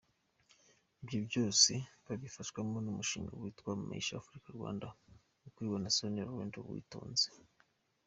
Ibyo byose babifashwamo n’umushinga witwa Maisha Afrika-Rwanda, ukuriwe na Sonia Rolland Uwitonze.